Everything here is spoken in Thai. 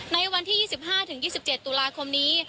ในวันที่๒๕๒๗ตุลาคมนี้